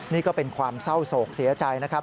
นี่ก็เป็นความเศร้าโศกเสียใจนะครับ